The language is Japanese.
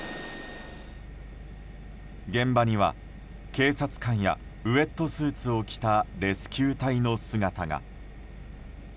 現場には、警察官やウェットスーツを着たレスキュー隊の姿が。